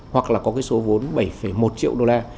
hoặc là có cái số vốn bảy một triệu đô la